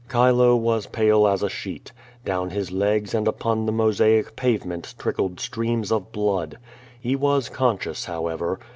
Chilo was pale as a sheet. Down his legs and upon the mosaic pavement trickled streams of blood. He was con scious, however.